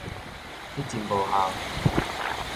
你真無效